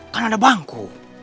kan ada bangku